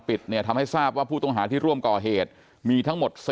เนี่ยทำให้ทราบว่าผู้ต้องหาที่ร่วมก่อเหตุมีทั้งหมด๔